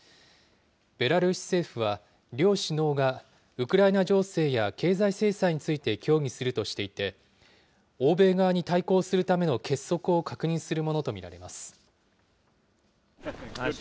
ベラルーシ政府は、両首脳がウクライナ情勢や経済制裁について協議するとしていて、欧米側に対抗するための結束を確認するものと見られます。